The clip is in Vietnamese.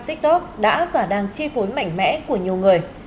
tiktok đã và đang chi phối mạnh mẽ của nhiều người